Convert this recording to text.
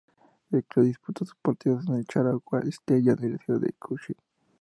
El club disputa sus partidos en el Sarawak Stadium de la ciudad de Kuching.